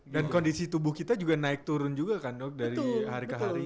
dan kondisi tubuh kita juga naik turun juga kan dok dari hari ke hari